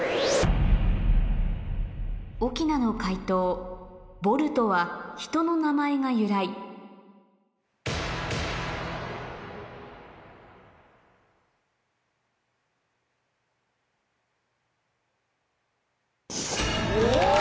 奥菜の解答「ボルトは人の名前が由来」お！